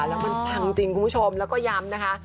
แล้วมันปังจริงคุณผู้ชมแล้วก็ย้ำนะคะ